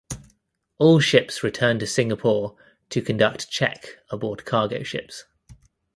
All ships returned to Singapore to conduct check aboard cargo ships.